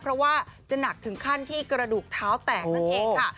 เพราะว่าจะหนักถึงขั้นที่กระดูกเท้าแตกนั่นเองค่ะ